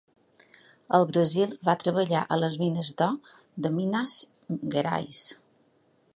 Al Brasil va treballar a les mines d'or de Minas Gerais.